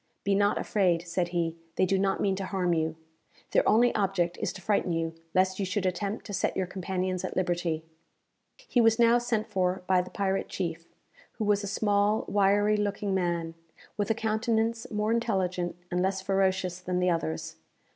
"Be not afraid," said he; "they do not mean to harm you. Their only object is to frighten you, lest you should attempt to set your companions at liberty." He was now sent for by the pirate chief, who was a small wiry looking man, with a countenance more intelligent and less ferocious than the others.